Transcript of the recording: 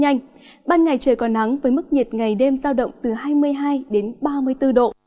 nhanh ban ngày trời còn nắng với mức nhiệt ngày đêm giao động từ hai mươi hai đến ba mươi bốn độ